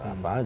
itu tetap ada